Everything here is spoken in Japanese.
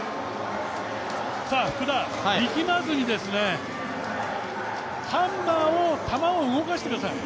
さあ福田、力まずにハンマーを球を動かしてください。